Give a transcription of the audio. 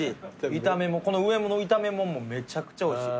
炒めもこの上の炒めもんもめちゃくちゃおいしい。